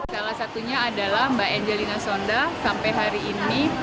salah satunya adalah mbak angelina sonda sampai hari ini